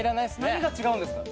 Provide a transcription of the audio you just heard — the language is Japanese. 何が違うんですか？